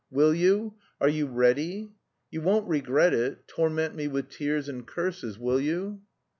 Will you? Are you ready? You won't regret it, torment me with tears and curses, will you?"